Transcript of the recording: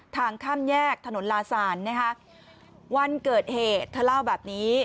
ทางข้ามแยกถนนลาศาลนะคะวันเกิดเหตุเธอเล่าแบบนี้